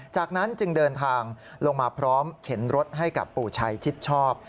จากนั้นจึงเดินทางลงมาพร้อมเข็นรถให้กับปู่ชัยชิดชอบ